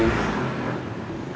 kita nunggu uang datang